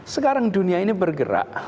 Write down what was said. sekarang dunia ini bergerak